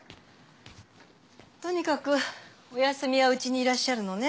とにかくお休みは家にいらっしゃるのね？